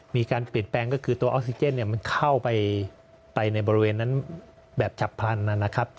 มีการเปลี่ยนแปลงก็คือตัวออกซิเจนมันเข้าไปในบริเวณนั้นแบบฉับพลันนะครับ